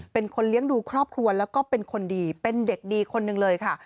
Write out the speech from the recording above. เป็นคนเลี้ยงดูครอบครัวแล้วก็เป็นคนดีเป็นเด็กดีคนหนึ่งเลยค่ะ